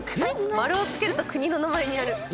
丸をつけると国の名前になる。